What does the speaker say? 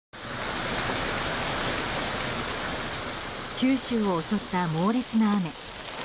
九州を襲った猛烈な雨。